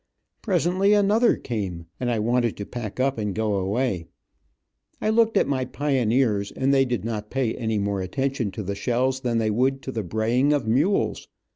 Presently another came, and I wanted to pack up and go away. I looked at my pioneers, and they did not pay any more attention to the shells than they would, to the braying of mules.